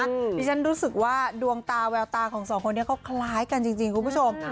ดิฉันรู้สึกว่าดวงตาแววตาของสองคนนี้เขาคล้ายกันจริงคุณผู้ชม